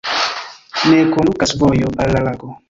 Ne kondukas vojo al la lago.